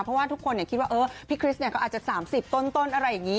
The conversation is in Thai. เพราะว่าทุกคนคิดว่าพี่คริสก็อาจจะ๓๐ต้นอะไรอย่างนี้